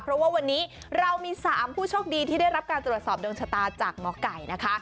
เพราะว่าวันนี้เรามี๓ผู้โชคดีที่ได้รับการตรวจสอบดวงชะตาจากหมอไก่นะคะ